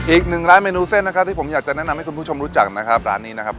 อีกหนึ่งร้านเมนูเส้นนะครับที่ผมอยากจะแนะนำให้คุณผู้ชมรู้จักนะครับร้านนี้นะครับ